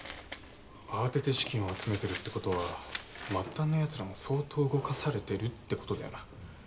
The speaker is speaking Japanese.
慌てて資金を集めてるってことは末端のやつらも相当動かされてるってことだよな？